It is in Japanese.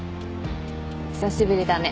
久しぶりだね。